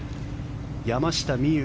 山下美夢